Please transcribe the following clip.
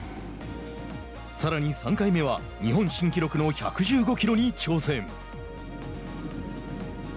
さらに３回目は日本新記録の１１５キロに挑戦。